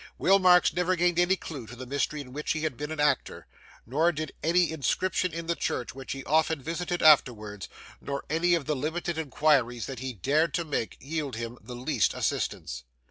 Will Marks never gained any clue to the mystery in which he had been an actor, nor did any inscription in the church, which he often visited afterwards, nor any of the limited inquiries that he dared to make, yield him the least assistance.